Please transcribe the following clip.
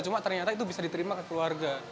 cuma ternyata itu bisa diterima ke keluarga